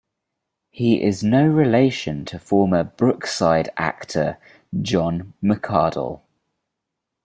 He is no relation to former Brookside actor John McArdle.